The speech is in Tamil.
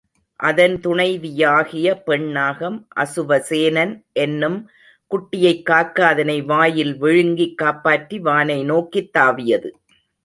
அதன் துணைவியாகிய பெண் நாகம் அசுவசேனன் என்னும் குட்டியைக்காக்க அதனை வாயில் விழுங்கிக் காப்பாற்றி வானை நோக்கித் தாவியது.